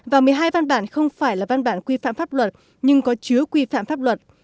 và một mươi hai văn bản không phải là văn bản quy phạm pháp luật nhưng có chứa quy phạm pháp luật